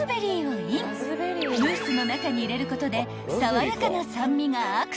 ［ムースの中に入れることで］